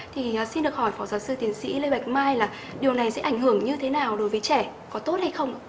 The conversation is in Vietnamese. thì xin được hỏi phó giáo sư tiến sĩ lê bạch mai là điều này sẽ ảnh hưởng như thế nào đối với trẻ có tốt hay không ạ